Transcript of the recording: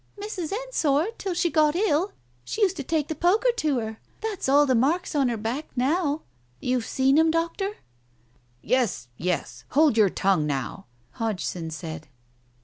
"Mrs. Ensor, till she got ill. She used to take the poker to her. There's all the marks on her back now — you've seen 'em, Doctor?" "Yes, yes. Hold your tongue now," Hodgson said.